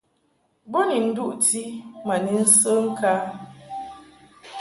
Bo ni nduʼti ma ni nsə ŋkǎ.